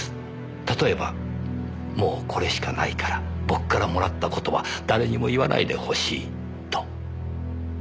例えば「もうこれしかないから僕からもらった事は誰にも言わないでほしい」と。